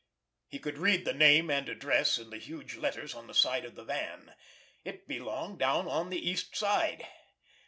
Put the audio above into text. He could read the name and address in the huge letters on the side of the van. It belonged down on the East Side.